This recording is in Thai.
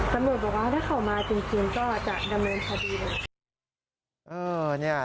ก็บอกว่าถ้าเขามาจริงก็จะดำเนินพอดีเลย